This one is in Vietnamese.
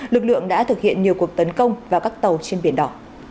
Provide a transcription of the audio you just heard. lực lượng đã thực hiện nhiều cuộc tấn công vào các tàu trên biển đỏ